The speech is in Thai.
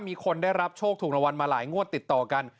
มีคนได้รับโชคถูกรางวัลมาหลายงวดติดต่อกัน